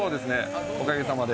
おかげさまで。